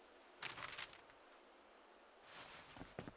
あ。